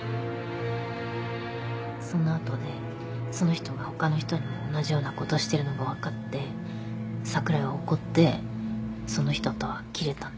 その後でその人が他の人にも同じようなことしてるのが分かって櫻井は怒ってその人とは切れたんです。